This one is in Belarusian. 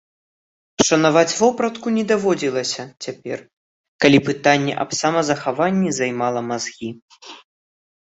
Шанаваць вопратку не даводзілася цяпер, калі пытанне аб самазахаванні займала мазгі.